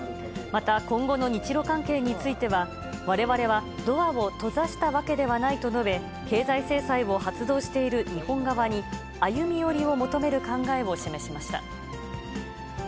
また、今後の日ロ関係については、われわれはドアを閉ざしたわけではないと述べ、経済制裁を発動している日本側に、歩み寄りを求める考えを示しました。